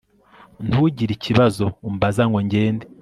Ntugire ikibazo umbaza ngo ngende